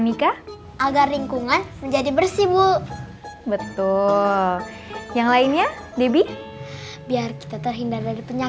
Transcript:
yaudah lanjutin lagi belajarnya